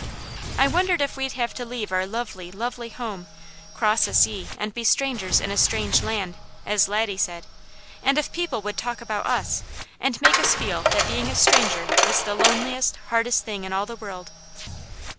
I wondered if we'd have to leave our lovely, lovely home, cross a sea and be strangers in a strange land, as Laddie said; and if people would talk about us, and make us feel that being a stranger was the loneliest, hardest thing in all the world.